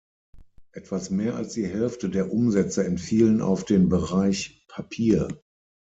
Etwas mehr als die Hälfte der Umsätze entfielen auf den Bereich Papier.